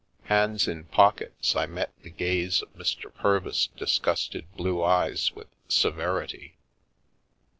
Hands in pockets, I met the gaze of Mr. Purvis' disgusted blue eyes with sever ity.